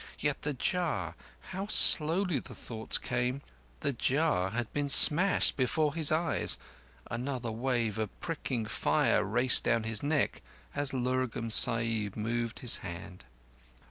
Yet the jar—how slowly the thoughts came!—the jar had been smashed before his eyes. Another wave of prickling fire raced down his neck, as Lurgan Sahib moved his hand.